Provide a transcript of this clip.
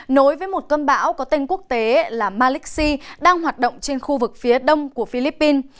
nối với một cơn bão có tên quốc tế là malixi đang hoạt động trên khu vực phía đông của philippines